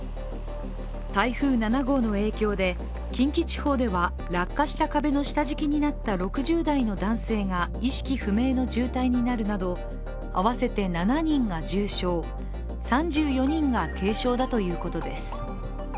台風７号の影響で、近畿地方では落下した壁の下敷きになった６０代の男性が意識不明の重体になるなど合わせて７人が重傷、３４人が軽傷だということです。